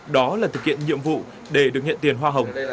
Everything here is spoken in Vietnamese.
đó là thực hiện nhiệm vụ để được nhận tiền hoa hồng